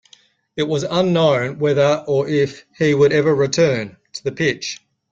It was unknown when or if he would ever return to the pitch.